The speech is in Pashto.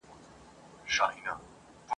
نظامونه هم په دغه رنګ چلیږي ..